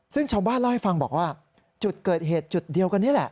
ซึ่งชาวบ้านเล่าให้ฟังบอกว่าจุดเกิดเหตุจุดเดียวกันนี่แหละ